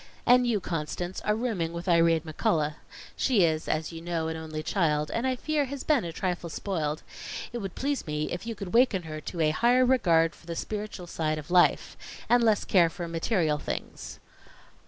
"And you, Constance, are rooming with Irene McCullough. She is, as you know, an only child, and I fear has been a trifle spoiled. It would please me if you could waken her to a higher regard for the spiritual side of life, and less care for material things."